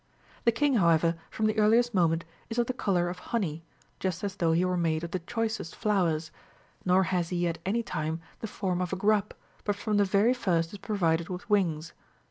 The king, however, from the earliest moment, is of the colour of honey, just as though he were made of the choicest flowers, nor has he at any time the form of a grub, but from the very first is provided with wings.